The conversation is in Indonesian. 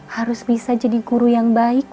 harus bisa jadi guru yang baik